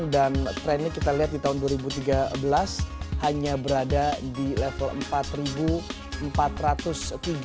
dan trennya kita lihat di tahun dua ribu tiga belas hanya berada di level rp empat empat ratus tiga